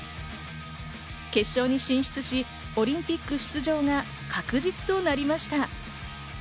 決勝に進出し、オリンピック出場が確実となりました。